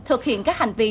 thực hiện các hành vi